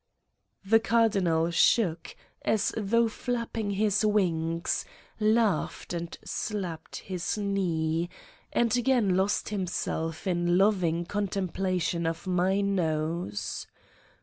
The Cardinal shook, as though flapping his wings, laughed, and slapped his knee and again lost himself in loving contemplation of my nose.